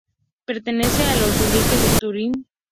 Pertenece a la archidiócesis de Turín.